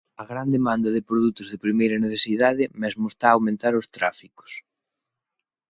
A gran demanda de produtos de primeira necesidade mesmo está a aumentar os tráficos.